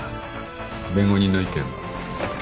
弁護人の意見は？